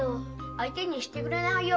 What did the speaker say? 相手にしてくれないよ。